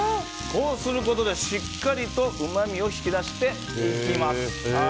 こうすることで、しっかりとうまみを引き出していきます。